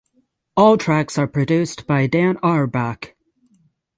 All tracks are produced by Dan Auerbach.